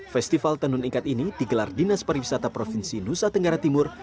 festival tenun ikat ini digelar dinas pariwisata provinsi nusa tenggara timur